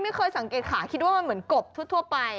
ไม่เคยสังเกตขาคิดว่ามันเหมือนกบทั่วไป